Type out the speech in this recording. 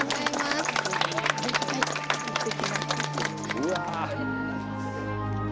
うわ。